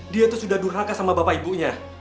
dia itu sudah durhaka sama bapak ibunya